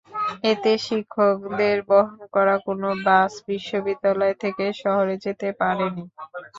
এতে শিক্ষকদের বহন করা কোনো বাস বিশ্ববিদ্যালয় থেকে শহরে যেতে পারেনি।